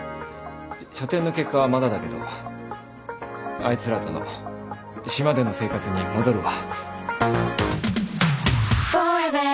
書展の結果はまだだけどあいつらとの島での生活に戻るわ。